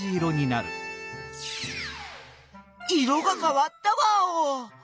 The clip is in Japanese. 色がかわったワオ！